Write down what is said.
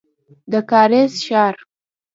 د کارېز ښار.